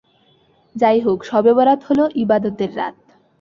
যাই হোক, শবে বরাত হলো ইবাদতের রাত।